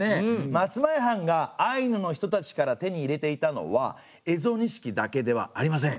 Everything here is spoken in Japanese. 松前藩がアイヌの人たちから手に入れていたのは蝦夷錦だけではありません。